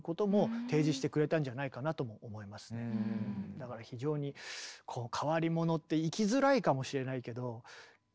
だから非常にこう変わり者って生きづらいかもしれないけど魅力ありますよね。